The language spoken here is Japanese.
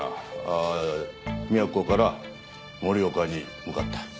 宮古から盛岡に向かった。